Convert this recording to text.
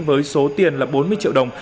với số tiền là bốn mươi triệu đồng